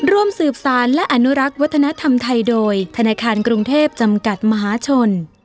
ร่วมสืบสารและอนุรักษ์วัฒนธรรมไทยโดยธนาคารกรุงเทพจำกัดมหาชน